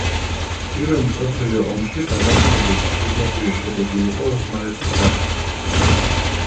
პირველ მსოფლიო ომში დამარცხების პირდაპირი შედეგი იყო ოსმალეთის დაშლა.